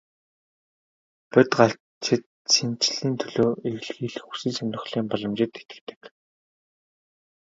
Бодгальчид шинэчлэлийн төлөө эрэлхийлэх хүсэл сонирхлын боломжид итгэдэг.